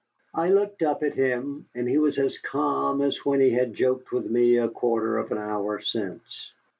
I looked up at him, and he was as calm as when he had joked with me a quarter of an hour since.